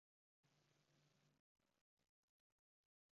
He is the author or editor on several books on magnetic recording.